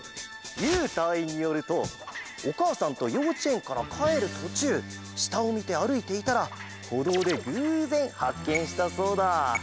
ゆうたいいんによるとおかあさんとようちえんからかえるとちゅうしたをみてあるいていたらほどうでぐうぜんはっけんしたそうだ！